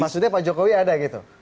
maksudnya pak jokowi ada gitu